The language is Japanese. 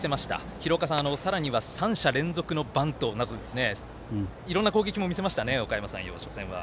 廣岡さん、さらには３者連続のバントなどいろんな攻撃も見せましたおかやま山陽。